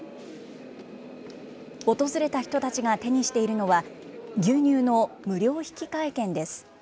訪れた人たちが手にしているのは、牛乳の無料引換券です。